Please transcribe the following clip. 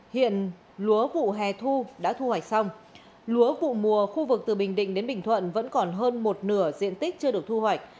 hiện lúa vụ hè thu đã thu hoạch xong lúa vụ mùa khu vực từ bình định đến bình thuận vẫn còn hơn một nửa diện tích chưa được thu hoạch